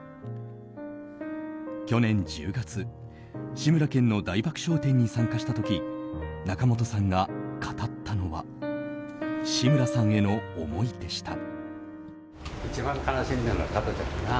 去年１０月志村けんの大爆笑展に参加した時仲本さんが語ったのは志村さんへの思いでした。